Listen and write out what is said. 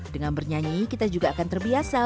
dengan bernyanyi kita juga akan terbiasa